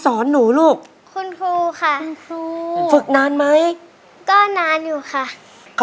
โอ้โหตา